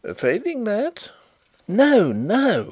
Failing that " "No, no!"